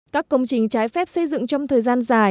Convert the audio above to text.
các công trình trái phép xây dựng trong thời gian dài